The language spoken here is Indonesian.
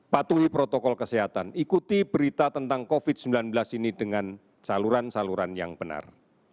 patuhi protokol kesehatan ikuti berita tentang covid sembilan belas ini dengan saluran saluran yang benar